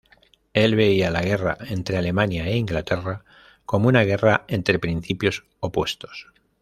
Él veía la guerra entre Alemania e Inglaterra como una guerra entre principios opuestos.